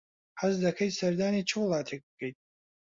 حەز دەکەیت سەردانی چ وڵاتێک بکەیت؟